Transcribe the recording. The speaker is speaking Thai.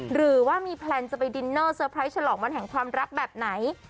หรือว่ามีแพลนจะไปดินเนอร์เซอร์ไพรส์ฉลองวันแห่งความรักแบบไหน